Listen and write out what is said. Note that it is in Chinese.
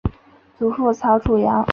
祖父曹楚阳。